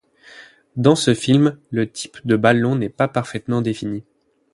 Dans ce film le type de ballon n'est pas parfaitement défini.